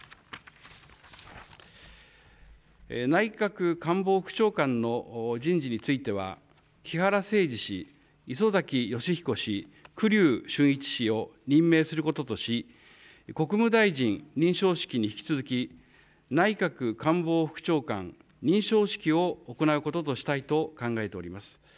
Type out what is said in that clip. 内閣官房副長官の人事については、木原誠二氏、磯崎仁彦氏、栗生俊一氏を任命することとし、国務大臣認証式に引き続き、内閣官房副長官、認証式を行うこととしたいと考えております。